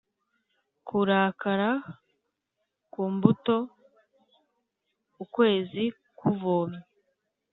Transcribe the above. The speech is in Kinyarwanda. kurakara ku mbuto ukwezi kuvomye,